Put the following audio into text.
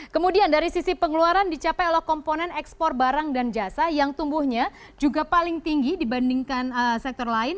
kemudian dari sisi pengeluaran dicapai oleh komponen ekspor barang dan jasa yang tumbuhnya juga paling tinggi dibandingkan sektor lain